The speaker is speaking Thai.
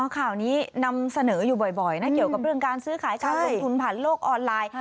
ข่าวนี้นำเสนออยู่บ่อยนะเกี่ยวกับเรื่องการซื้อขายการลงทุนผ่านโลกออนไลน์